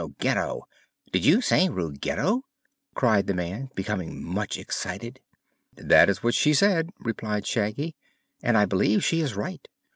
Ruggedo! Did you say Ruggedo?" cried the man, becoming much excited. "That is what she said," replied Shaggy, "and I believe she is right.